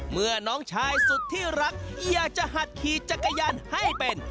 เมื่อน้องชายสุดที่รักอยากจะหัดขี่จักรยานให้เป็น